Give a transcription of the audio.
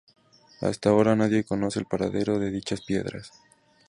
Hasta ahora, nadie conoce el paradero de dichas piedras.